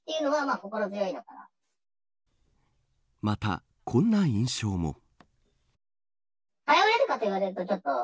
また、こんな印象も。